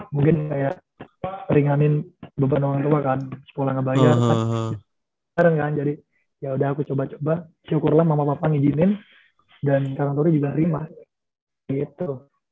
mungkin kayak ringanin beban orang tua kan sekolah gak bayar jadi ya udah aku coba coba syukurlah mama papa ngijinin dan karangturi juga rimah gitu